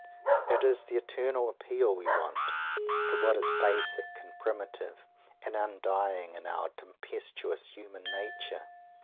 It is the eternal appeal we want, to what is basic and primitive and undying in our tempestuous human nature!